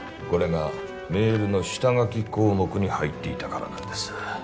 これがメールの下書き項目に入っていたからなんです